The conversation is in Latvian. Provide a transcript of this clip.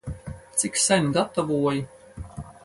Cik sen gatavoji?